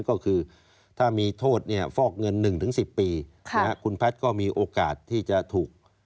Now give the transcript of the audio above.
ก็คือถ้ามีโทษเนี่ยฟอกเงิน๑๑๐ปีคุณแพทย์ก็มีโอกาสที่จะถูก